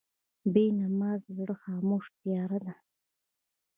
بېنمازه زړه خاموشه تیاره ده.